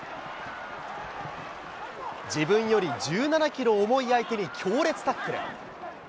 自分より１７キロ重い相手に強烈タックル。